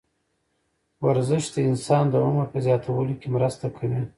ورزش د انسان د عمر په زیاتولو کې مرسته کوي.